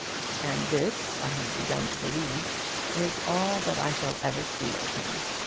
And this, I have begun to believe, is all that I shall ever see of him.